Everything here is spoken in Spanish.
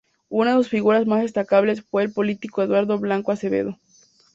Una de sus figuras más destacadas fue el político Eduardo Blanco Acevedo.